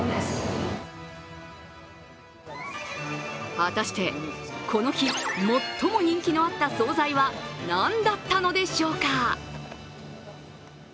果たしてこの日、最も人気のあった総菜は何だったのでしょうか。